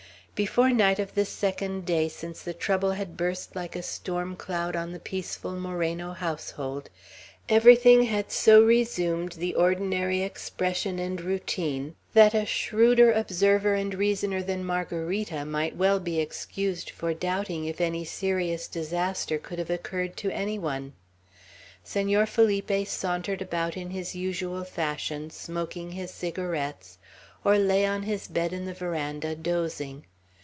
Before night of this second day since the trouble had burst like a storm cloud on the peaceful Moreno household, everything had so resumed the ordinary expression and routine, that a shrewder observer and reasoner than Margarita might well be excused for doubting if any serious disaster could have occurred to any one. Senor Felipe sauntered about in his usual fashion, smoking his cigarettes, or lay on his bed in the veranda, dozing.